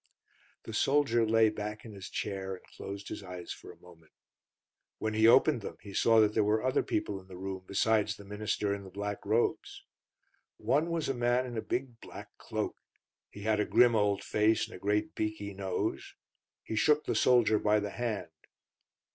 The soldier lay back in his chair and closed his eyes for a moment. When he opened them he saw that there were other people in the room besides the minister in the black robes. One was a man in a big black cloak. He had a grim old face and a great beaky nose. He shook the soldier by the hand.